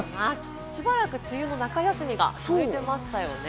しばらく梅雨の中休みが続きましたよね。